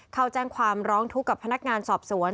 เข้าแจ้งความร้องทุกข์กับพนักงานสอบสวน